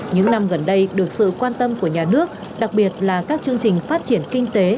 những năm gần đây được sự quan tâm của nhà nước đặc biệt là các chương trình phát triển kinh tế